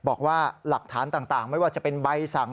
บอกว่าหลักฐานต่างไม่ว่าจะเป็นใบสั่ง